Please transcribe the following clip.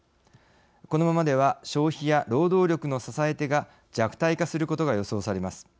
このままでは消費や労働力の支え手が弱体化することが予想されます。